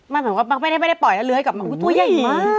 มันแบบว่าไม่ได้ปล่อยแล้วเลื้อยกับมัน